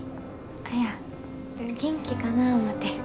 いや元気かなぁ思て。